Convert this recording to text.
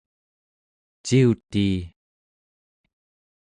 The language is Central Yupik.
ciutii